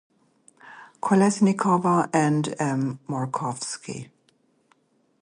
Kolesnikova, and M. Markovsky.